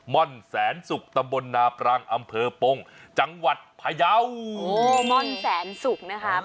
่อนแสนสุกตำบลนาปรังอำเภอปงจังหวัดพยาวโอ้ม่อนแสนสุกนะครับ